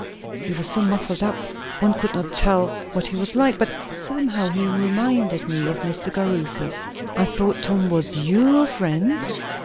He was so muffled up, one could not tell what he was like; but somehow he reminded me of Mr. Caruthers." "I thought Tom was your friend?"